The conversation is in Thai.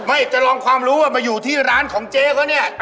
จะลองความรู้ว่ามาอยู่ที่ร้านของเจ๊เขาเนี่ย